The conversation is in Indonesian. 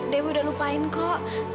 dewi udah lupain kok